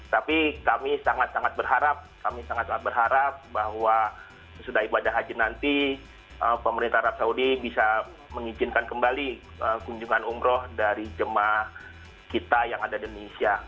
tapi kami sangat sangat berharap kami sangat sangat berharap bahwa sesudah ibadah haji nanti pemerintah arab saudi bisa mengizinkan kembali kunjungan umroh dari jemaah kita yang ada di indonesia